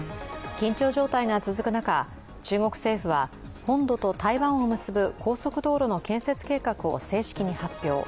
緊張状態が続く中、中国政府は中国本土と台湾を結ぶ高速道路の建設計画を正式に発表。